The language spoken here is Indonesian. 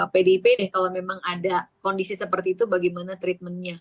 pdip nih kalau memang ada kondisi seperti itu bagaimana treatmentnya